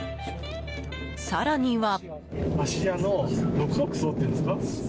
更には。